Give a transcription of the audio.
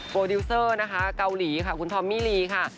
ดิวเซอร์นะคะเกาหลีค่ะคุณทอมมี่ลีค่ะ